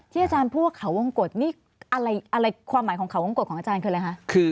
อาจารย์พูดว่าเขาวงกฎนี่อะไรความหมายของเขาวงกฎของอาจารย์คืออะไรคะ